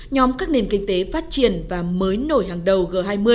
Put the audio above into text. nhóm các nền kinh tế phát triển và mới nổi hàng đầu g hai mươi